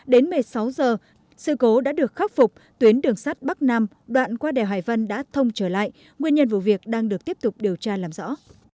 đến một mươi sáu giờ sự cố đã được khắc phục tuyến đường sắt bắc nam đoạn qua đèo hải vân đã thông trở lại nguyên nhân vụ việc đang được tiếp tục điều tra làm rõ